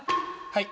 はい。